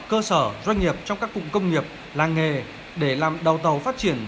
cơ sở doanh nghiệp trong các cụm công nghiệp làng nghề để làm đầu tàu phát triển